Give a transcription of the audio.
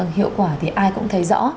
hiệu quả thì ai cũng thấy rõ